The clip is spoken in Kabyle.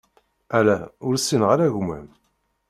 Ala, ur ssineɣ ara gma-m.